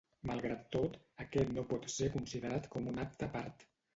Malgrat tot, aquest no pot ser considerat com un acte a part.